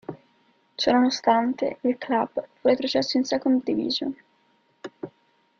Ciò nonostante, il club fu retrocesso in Second Division.